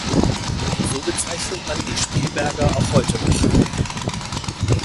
So bezeichnet man die Spielberger auch heute noch.